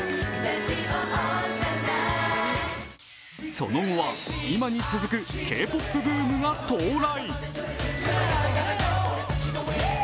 その後は、今に続くＫ−ＰＯＰブームが到来。